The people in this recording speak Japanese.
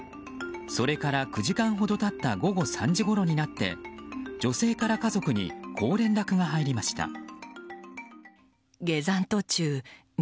それから９時間ほど経った午後３時半ごろになって女性から家族にこう連絡が入りました。